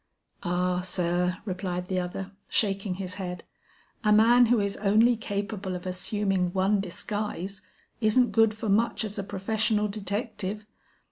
"Ah, sir," replied the other, shaking his head, "a man who is only capable of assuming one disguise, isn't good for much as a professional detective.